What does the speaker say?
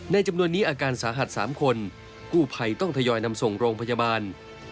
จำนวนนี้อาการสาหัส๓คนกู้ภัยต้องทยอยนำส่งโรงพยาบาล